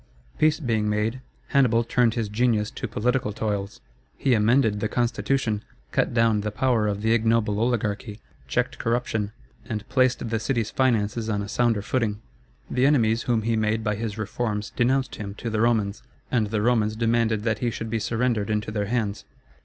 Peace being made, Hannibal turned his genius to political toils. He amended the constitution, cut down the power of the ignoble oligarchy, checked corruption, and placed the city's finances on a sounder footing. The enemies whom he made by his reforms denounced him to the Romans, and the Romans demanded that he should be surrendered into their hands.